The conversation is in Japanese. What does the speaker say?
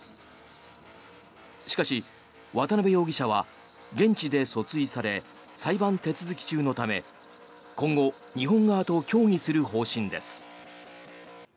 しかし、渡邉容疑者は現地で訴追され裁判手続き中のため今後、日本側と協議する方針です。